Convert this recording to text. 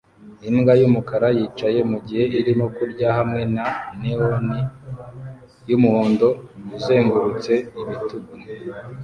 Imbwa yumukara yicaye mugihe irimo kurya hamwe na neon yumuhondo uzengurutse ibitugu